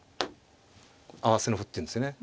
合わせの歩って言うんですよね。